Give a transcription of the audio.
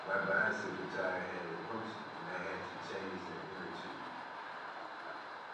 My bicycle tyre had a puncture, and I had to change the inner tube